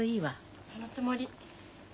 そのつもり。